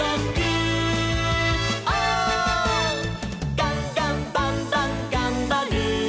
「ガンガンバンバンがんばる！」